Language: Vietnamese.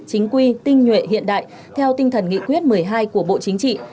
chính quy tinh nhuệ hiện đại theo tinh thần nghị quyết một mươi hai của bộ chính trị